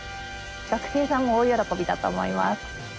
学生さんも大喜びだと思います。